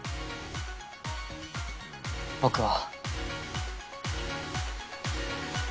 僕は。